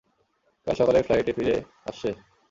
কাল সকালের ফ্লাইটে ফিরে আসছে।